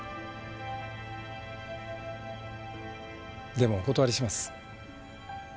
でもお断りします。